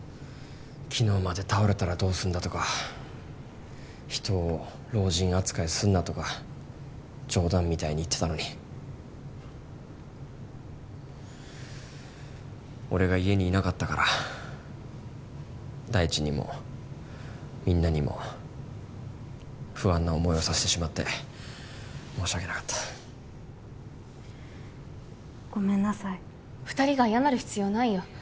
昨日まで倒れたらどうするんだとか人を老人扱いするなとか冗談みたいに言ってたのに俺が家にいなかったから大地にもみんなにも不安な思いをさせてしまって申し訳なかったごめんなさい二人が謝る必要ないよ